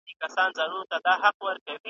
تېغ ورته عاجز دی له شیطان سره به څه کوو .